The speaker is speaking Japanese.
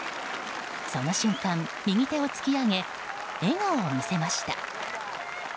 その瞬間、右手を突き上げ笑顔を見せました。